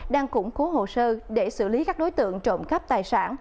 đang củng cố hồ sơ để xử lý các đối tượng trộm cắp tài sản